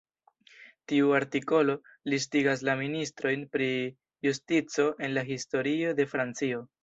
Tiu artikolo listigas la ministrojn pri justico en la historio de Francio.